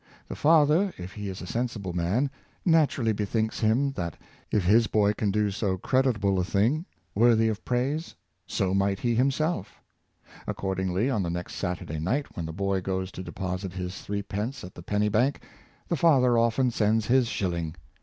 The father, if he is a sensible man, naturally bethinks him that if his boy can do so creditable a thing, worthy of praise, so might he himself. Accordingly, on the next Satur day night, when the boy goes to deposit his threepence at the penny bank, the father often sends his shilling.